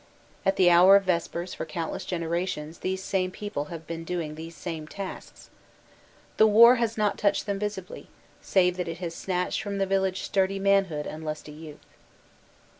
At the hour of vespers for countless genera tions these same people have been doing these same tasks. The war has not touched them visibly, save that it has snatched from the village sturdy manhood and lusty youth.